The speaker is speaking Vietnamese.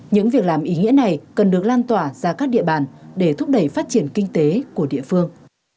những việc làm ý nghĩa này cần được lan tỏa ra các địa bàn để thúc đẩy phát triển kinh tế của địa phương